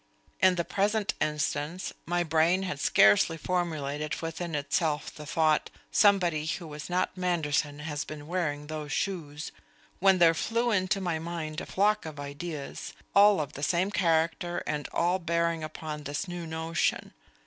In the present instance, my brain had scarcely formulated within itself the thought, 'Somebody who was not Manderson has been wearing those shoes,' when there flew into my mind a flock of ideas, all of the same character and all bearing upon this new notion.